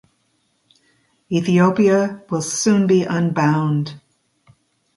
Ethiopia will soon be unbound!